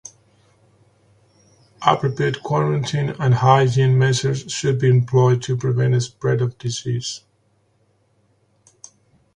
Appropriate quarantine and hygiene measures should be employed to prevent spread of disease.